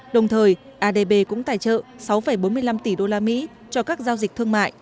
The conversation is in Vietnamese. đồng thời adb cũng tài trợ sáu bốn mươi năm tỷ usd cho các giao dịch thương mại